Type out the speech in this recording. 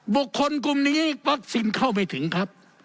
กลุ่มนี้วัคซีนเข้าไม่ถึงครับ